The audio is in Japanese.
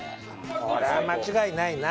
これは間違いないな。